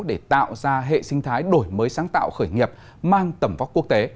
để tạo ra hệ sinh thái đổi mới sáng tạo khởi nghiệp mang tầm vóc quốc tế